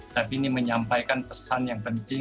tapi ini menyampaikan pesan yang penting